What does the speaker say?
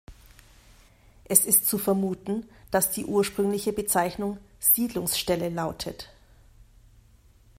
Es ist zu vermuten, dass die ursprüngliche Bezeichnung „Siedlungsstelle“ lautet.